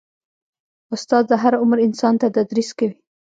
استاد د هر عمر انسان ته تدریس کوي.